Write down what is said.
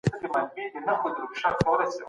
خيار حق په معامله کي اسانتيا رامنځته کوي.